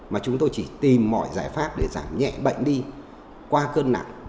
mà chúng tôi chỉ tìm mọi giải pháp để giảm nhẹ bệnh đi qua cơn nặng